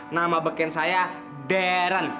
nama beken saya darren